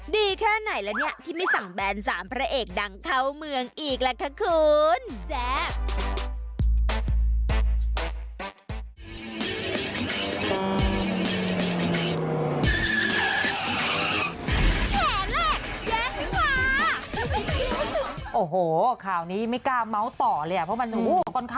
ดีแค่ไหนแล้วนี่ที่ไม่สั่งแบรนด์สามพระเอกดังเข้าเมืองอีกล่ะคะคุณ